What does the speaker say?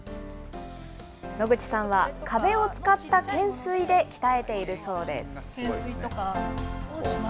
野口さんは、壁を使った懸垂で鍛えているそうです。